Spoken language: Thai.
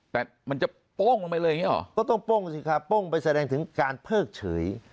แต่มันจะโป้งลงไปเลยอย่างนี้หรอก็ต้องโป้งสิครับโป้งไปแสดงถึงการเพิกเฉย